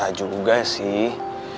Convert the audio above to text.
gak juga sih